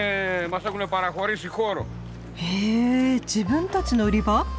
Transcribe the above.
へえ自分たちの売り場？